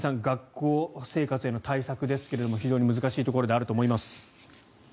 学校生活への対策ですが非常に難しいところではあると思います。